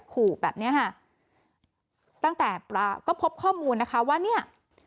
ขู่แบบเนี้ยค่ะตั้งแต่ก็พบข้อมูลนะคะว่าเนี่ย